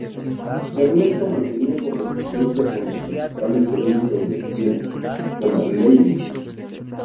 Ernesto mantenía correspondencia con los principales eruditos de su tiempo, como Leibniz.